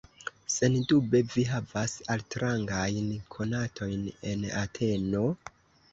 Sendube vi havas altrangajn konatojn en Ateno?